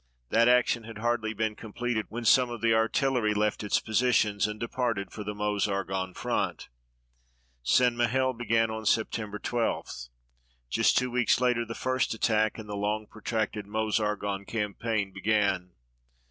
That action had hardly been completed when some of the artillery left its positions and departed for the Meuse Argonne front. St. Mihiel began on September 12. Just two weeks later the first attack in the long protracted Meuse Argonne campaign began.